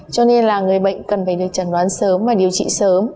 cho nên là người bệnh cần phải được chẩn đoán sớm và điều trị sớm